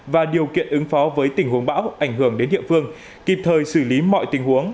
và điều kiện ứng phó với tình huống bão ảnh hưởng đến địa phương kịp thời xử lý mọi tình huống